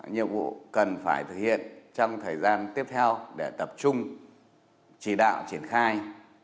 nhiệm vụ cần phải thực hiện trong thời gian tiếp theo để tập trung chỉ đạo triển khai